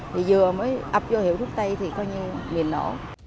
thì vừa mới ập vô hiệu thuốc tây thì coi như miền nổ